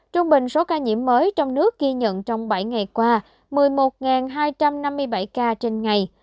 trung bình số ca nhiễm mới trong nước ghi nhận trong bảy ngày qua một mươi một hai trăm năm mươi bảy ca trên ngày